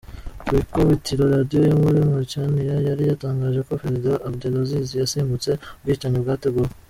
Ku ikubitiro Radio yo muri Mauritania yari yatangaje ko Perezida Abdelaziz yasimbutse ubwicanyi bwateguwe.